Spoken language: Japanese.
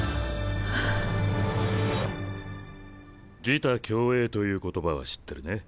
「自他共栄」という言葉は知ってるね？